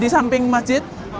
di samping masjid